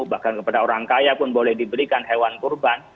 bahkan kepada orang kaya pun boleh diberikan hewan kurban